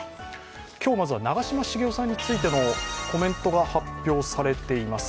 今日、まずは長嶋茂雄さんについてのコメントが発表されています。